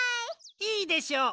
いいでしょう。